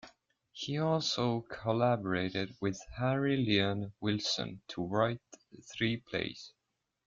He also collaborated with Harry Leon Wilson to write three plays.